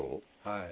はい。